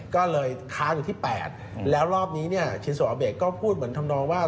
ก็เลยค้างอยู่ที่๘แล้วรอบนี้เนี่ยชินโซอาเบะก็พูดเหมือนทำนองว่า